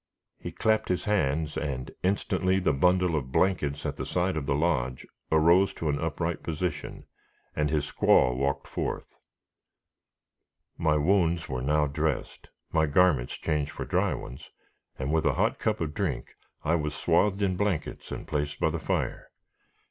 He clapped his hands, and instantly the bundle of blankets at the side of the lodge arose to an upright position, and his squaw walked forth. My wounds were now dressed, my garments changed for dry ones, and with a hot cup of drink, I was swathed in blankets, and placed by the fire.